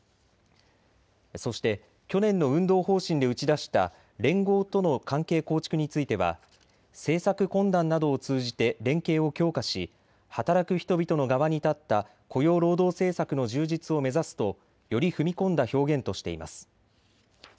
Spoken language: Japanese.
そして去年の運動方針で打ち出した連合との関係構築については政策懇談などを通じて連携を強化し、働く人々の側に立った雇用労働政策の充実を目指すとより踏み込んだ表現としています。